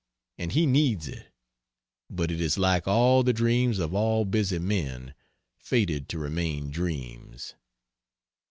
And he needs it. But it is like all the dreams of all busy men fated to remain dreams.